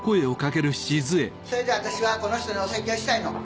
それで私はこの人にお説教したいの！